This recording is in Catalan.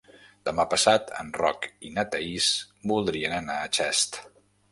Demà passat en Roc i na Thaís voldrien anar a Xest.